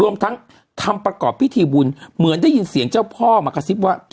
รวมทั้งทำประกอบพิธีบุญเหมือนได้ยินเสียงเจ้าพ่อมากระซิบว่า